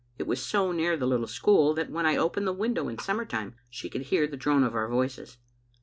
It was so near the little school that when 1 opened the window in summer time she could hear the drone of our voices.